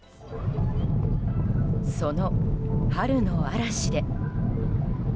その春の嵐で。